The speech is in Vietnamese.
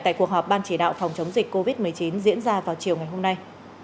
tại cuộc họp ban chỉ đạo phòng chống dịch covid một mươi chín diễn ra vào chiều ngày hôm nay